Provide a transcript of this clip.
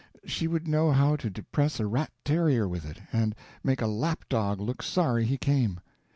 She would know how to depress a rat terrier with it and make a lap dog look sorry he came.